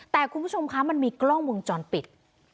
แต่คุณผู้ชมคะมันมีกล้องวงจรปิด